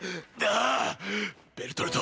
ベルトルト！！